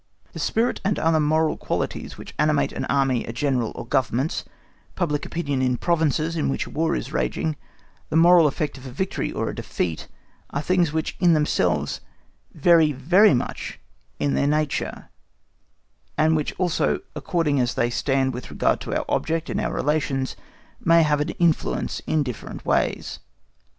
The spirit and other moral qualities which animate an Army, a General, or Governments, public opinion in provinces in which a War is raging, the moral effect of a victory or of a defeat, are things which in themselves vary very much in their nature, and which also, according as they stand with regard to our object and our relations, may have an influence in different ways.